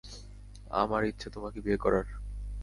আমার ইচ্ছে তোমাকে বিয়ে করার।